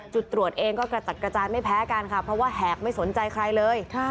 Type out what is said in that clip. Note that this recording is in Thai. จุดตรวจเองก็กระจัดกระจายไม่แพ้กันค่ะเพราะว่าแหกไม่สนใจใครเลย